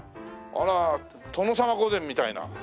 あら殿様御膳みたいな。